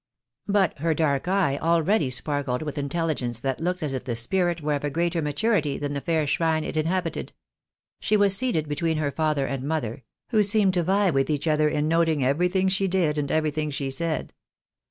But her dark eye already sparkled with in telligence that looked as if the spirit were of greater maturity than the fair shrine it inhabited. She was seated between her father and mother, who seemed to vie with each other in noting everything she did, and everything she said.